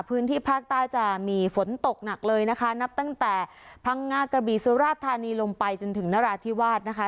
พื้นที่ภาคใต้จะมีฝนตกหนักเลยนะคะนับตั้งแต่พังงากระบีสุราชธานีลงไปจนถึงนราธิวาสนะคะ